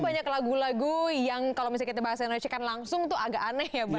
ada banyak lagu lagu yang kalau misalnya kita bahas indonesia kan langsung tuh agak aneh ya bal ya